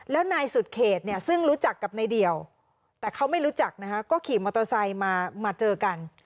แล้วนายสุดเขตเนี่ยซึ่งรู้จักกับนายเดี่ยวแต่เขาไม่รู้จักนะคะก็ขี่มอเตอร์ไซค์มาเจอกัน